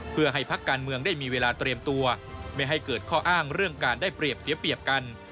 เพื่อให้พักการเมืองได้มีเวลาเตรียมตัวไม่ให้เกิดข้ออ้างเรื่องการได้เปรียบเสียเปรียบกัน